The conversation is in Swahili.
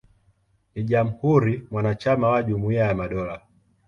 Ni jamhuri mwanachama wa Jumuiya ya Madola.